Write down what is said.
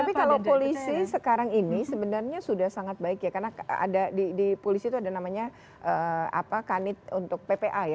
tapi kalau polisi sekarang ini sebenarnya sudah sangat baik ya karena ada di polisi itu ada namanya kanit untuk ppa ya